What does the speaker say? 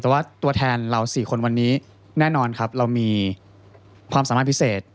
แต่ว่าตัวแทนเรา๔คนวันนี้แน่นอนครับเรามีความสามารถพิเศษ